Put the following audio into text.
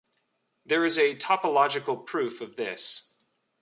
There is a topological proof of this.